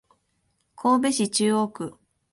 神戸市中央区